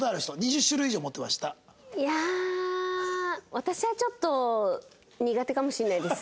私はちょっと苦手かもしれないです。